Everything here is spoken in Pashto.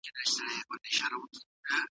ده د ماتې پر مهال حوصله ساتله.